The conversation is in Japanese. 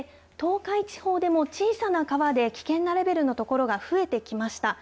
そして東海地方でも、小さな川で危険なレベルの所が増えてきました。